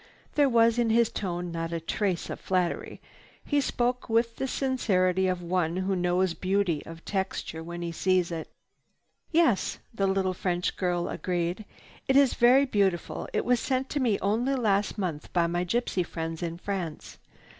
There was in his tone not a trace of flattery. He spoke with the sincerity of one who really knows beauty of texture when he sees it. "Yes," the little French girl agreed, "it is very beautiful. It was sent to me only last month by my gypsy friends in France.